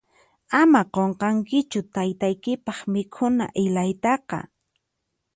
Ama qunqankichu taytaykipaq mikhuna ilaytaqa.